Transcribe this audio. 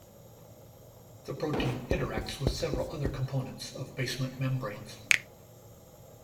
The protein interacts with several other components of basement membranes.